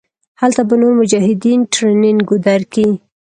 هلته به نور مجاهدين ټرېننگ درکي.